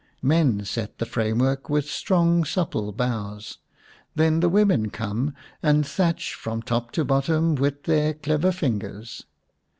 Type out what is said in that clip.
Men set the framework with strong supple boughs ; then the women come and thatch from top to bottom with their clever fingers.